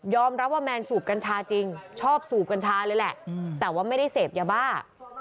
รับว่าแมนสูบกัญชาจริงชอบสูบกัญชาเลยแหละแต่ว่าไม่ได้เสพยาบ้า